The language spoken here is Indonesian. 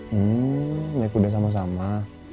hmm naik kuda sama sama